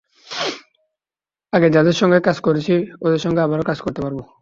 আগে যাদের সঙ্গে কাজ করেছি, ওদের সঙ্গে আবার কাজ করতে পারব।